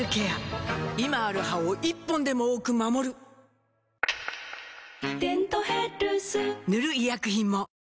今ある歯を１本でも多く守る「デントヘルス」塗る医薬品も